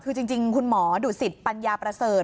คือจริงคุณหมอดุสิตปัญญาประเสริฐ